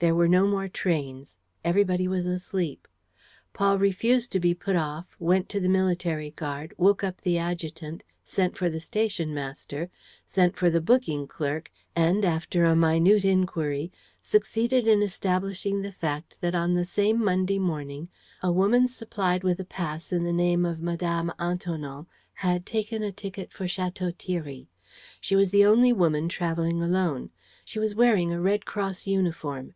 There were no more trains. Everybody was asleep. Paul refused to be put off, went to the military guard, woke up the adjutant, sent for the station master, sent for the booking clerk and, after a minute inquiry, succeeded in establishing the fact that on that same Monday morning a woman supplied with a pass in the name of Mme. Antonin had taken a ticket for Château Thierry. She was the only woman traveling alone. She was wearing a Red Cross uniform.